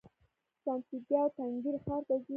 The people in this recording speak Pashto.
سانتیاګو تنګیر ښار ته ځي.